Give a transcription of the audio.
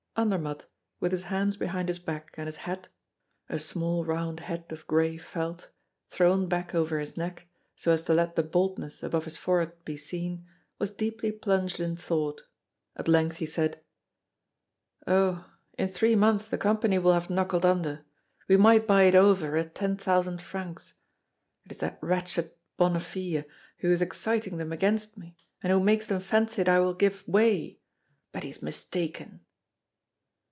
Andermatt, with his hands behind his back and his hat a small round hat of gray felt thrown back over his neck, so as to let the baldness above his forehead be seen, was deeply plunged in thought. At length he said: "Oh! in three months the Company will have knuckled under. We might buy it over at ten thousand francs. It is that wretched Bonnefille who is exciting them against me, and who makes them fancy that I will give way. But he is mistaken."